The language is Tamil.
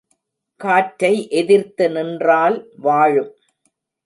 காற்றை எதிர்த்து நின்றால் வாழும்.